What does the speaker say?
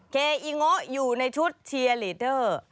เกอิโง่อยู่ในชุดเชียร์ลีเดอร์